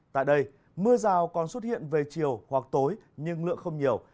tại đây mưa rào còn xuất hiện về chiều hoặc tối nhưng lượng không nhiều